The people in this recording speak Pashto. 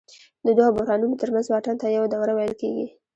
د دوو بحرانونو ترمنځ واټن ته یوه دوره ویل کېږي